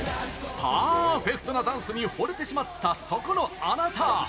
パーフェクトなダンスにほれてしまった、そこのあなた！